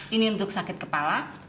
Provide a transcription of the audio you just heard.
ini untuk sakit kepala